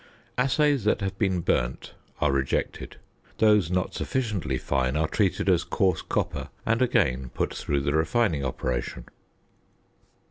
Assays that have been "burnt" are rejected. Those not sufficiently fine are treated as "coarse copper," and again put through the refining operation.